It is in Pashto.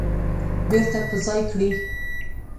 بیرته په ځای کړي